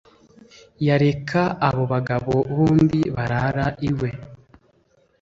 Yareka abo bagabo bombi barara iwe.